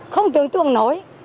không tưởng tượng nó